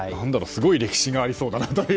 すごい歴史がありそうだなという。